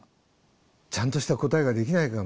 ちゃんとした答えができないかもしれない。